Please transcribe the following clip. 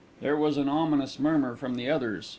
There was an ominous murmur from the others.